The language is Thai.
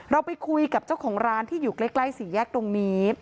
เราไปคุยกับเจ้าของร้านที่อยู่ใกล้สี่แยกตรงนี้